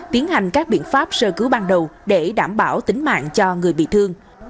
tiến hành các biện pháp sơ cứu ban đầu để đảm bảo tính mạng cho người bị thương